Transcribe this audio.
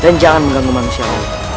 dan jangan mengganggu manusia lain